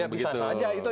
ya bisa saja itu